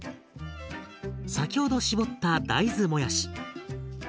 先ほど絞った大豆もやし。